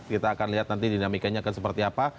kita akan lihat nanti dinamikanya akan seperti apa